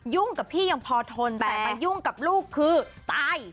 กับพี่ยังพอทนแต่มายุ่งกับลูกคือตาย